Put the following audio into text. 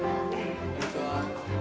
こんにちは。